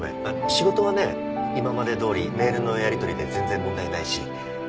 仕事はね今までどおりメールのやりとりで全然問題ないし。